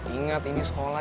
ingat ini sekolah